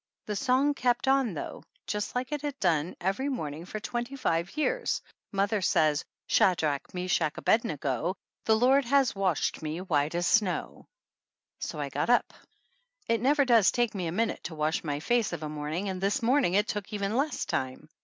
The song kept on, though, just like it has done every morning for twenty five years, mother says : "Shad rsich, Mtf shach, Abed ne go, The Lord has washed me white as snow," so I got up. It never does take me a minute to wash my face of a morning, and this morning it took even less time.